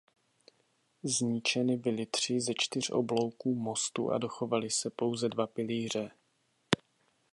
Zničeny byly tři ze čtyř oblouků mostu a dochovaly se pouze dva pilíře.